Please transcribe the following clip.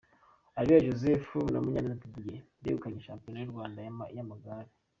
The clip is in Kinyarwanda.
Areruya Joseph na Munyaneza Didier begukanye Shampiona y’u Rwanda y’amagare.